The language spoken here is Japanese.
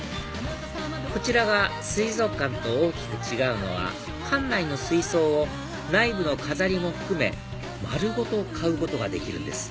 こちらが水族館と大きく違うのは館内の水槽を内部の飾りも含め丸ごと買うことができるんです